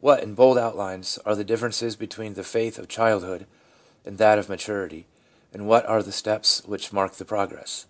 What, in bold outlines, are the differences between the faith of childhood and that of maturity, and what are the steps which mark the progress?